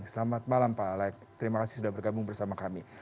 selamat malam pak alex terima kasih sudah bergabung bersama kami